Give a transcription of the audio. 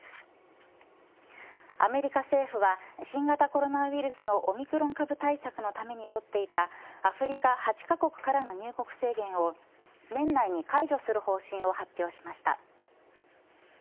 アメリカ政府は新型コロナウイルスのオミクロン株対策のためにとっていたアフリカ８カ国からの入国制限を年内に解除する方針を発表しました。